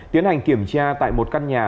tiến hành kiểm tra tại một căn nhà